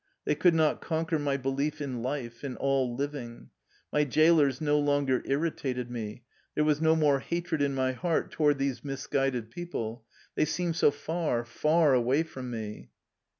They could not conquer my belief in life, in all living. My jailers no longer irritated me. There was no more hatred in my heart to ward these misguided people. They seemed so far, far away from me.